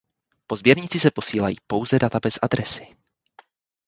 Po sběrnici se posílají pouze data bez adresy.